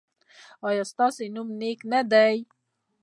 ایا ستاسو نوم نیک نه دی؟